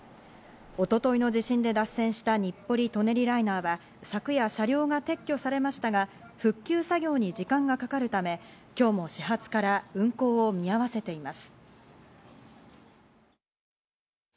一昨日の地震で脱線した日暮里・舎人ライナーは、昨夜、車両が撤去されましたが、復旧作業に時間がかかるため今日も始発から運行を見合わせています。